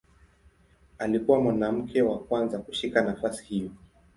Alikuwa mwanamke wa kwanza kushika nafasi hiyo.